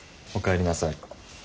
おかえりなさい。